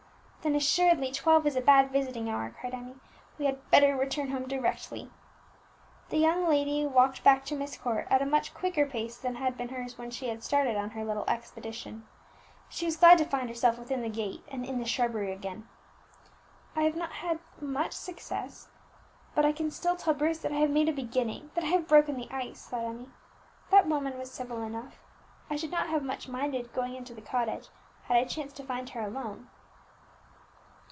"Then assuredly twelve is a bad visiting hour," cried Emmie; "we had better return home directly." The young lady walked back to Myst Court at a much quicker pace than had been hers when she had started on her little expedition. She was glad to find herself within the gate and in the shrubbery again. "I have not had much success, but still I can tell Bruce that I have made a beginning, that I have broken the ice," thought Emmie. "That woman was civil enough; I should not have much minded going into the cottage had I chanced to find her alone."